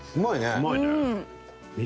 うまいね。